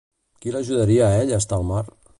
Qui l'ajudaria a ell a estar al mar?